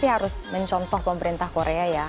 saya harus mencontoh pemerintah korea ya